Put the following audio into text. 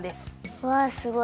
うわすごい。